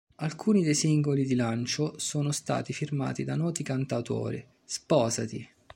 Alcuni dei singoli di lancio sono stati firmati da noti cantautori: "Sposati!